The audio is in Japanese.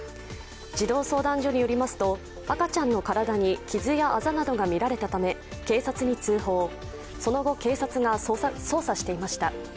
児童相談所によりますと赤ちゃんの体に傷やあざなどが見られたため警察に通報、その後警察が捜査していました。